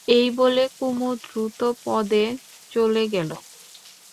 এই বলে কুমু দ্রুতপদে চলে গেল।